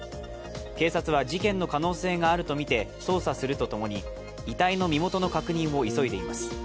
警察は事件の可能性があるとみて捜査するとともに、遺体の身元の確認を急いでいます。